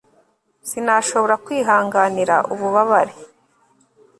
Sinashobora kwihanganira ububabare